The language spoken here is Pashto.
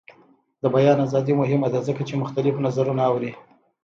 د بیان ازادي مهمه ده ځکه چې مختلف نظرونه اوري.